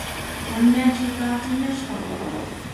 وَالنَّاشِطَاتِ نَشْطًا